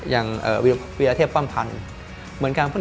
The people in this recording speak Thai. อย่างวิรเทพฝั่งพันธ์เหมือนกัน